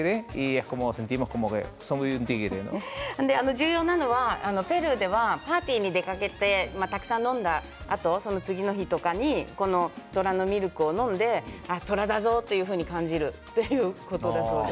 重要なのはペルーではパーティーに出かけてたくさん飲んだあと次の日とかにこの虎のミルクを飲んで虎だぞというふうに感じるということなんだそうです。